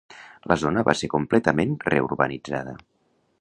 La zona va ser completament reurbanitzada.